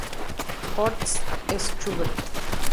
Horst Schubert u.a.